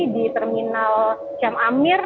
di terminal syam amir